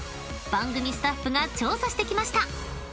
番組スタッフが調査してきました］